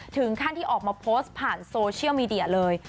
ถึงขั้นที่ออกมาโพสต์ผ่านโซเชียลมีเดียเลย